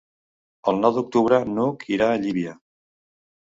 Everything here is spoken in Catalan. El nou d'octubre n'Hug irà a Llívia.